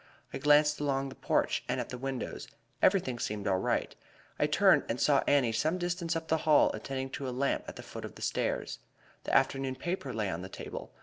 I glanced along the porch, and at the windows; everything seemed all right. I turned, and saw Annie some distance up the hall attending to a lamp at the foot of the stairs. The afternoon paper lay on the table.